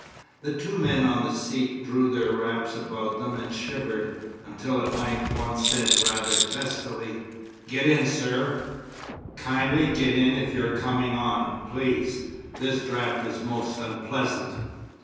The two men on the seats drew their wraps about them and shivered, until at length one said rather testily "Get in, sir; kindly get in if you're coming on, please. This draught is most unpleasant!"